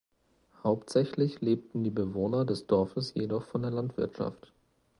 Hauptsächlich lebten die Bewohner des Dorfes jedoch von der Landwirtschaft.